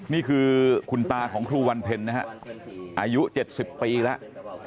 นี่คือคุณตาของครูวันเพลินนะฮะอายุเจ็ดสิบปีแล้ว